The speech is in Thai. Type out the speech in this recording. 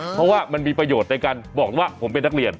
เพราะว่ามันมีประโยชน์ในการบอกว่าผมเป็นนักเรียน